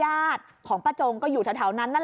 ในกล้องวงจรปิดเนี้ย